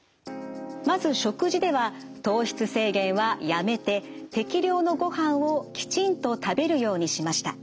まず食事では糖質制限はやめて適量のごはんをきちんと食べるようにしました。